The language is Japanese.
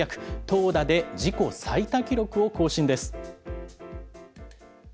投打で自己最多記録を更新です。